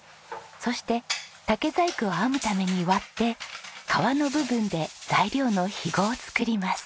そして竹細工を編むために割って皮の部分で材料のヒゴを作ります。